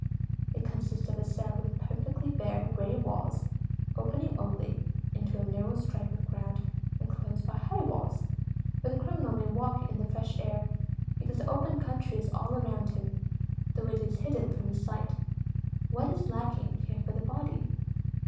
It consists of a cell with perfectly bare gray walls, opening only into a narrow strip of ground enclosed by high walls, where the criminal may walk in the fresh air, because the open country is all around him, though it is hidden from his sight. What is lacking here for the body?